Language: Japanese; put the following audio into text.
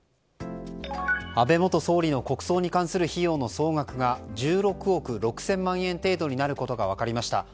安倍元総理の国葬に関する費用の総額が１６憶６０００万円程度になることが分かりました。